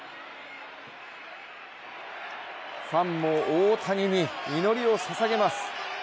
ファンも大谷に祈りをささげます。